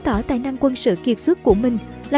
tỏ tài năng quân sự kiệt xuất của mình là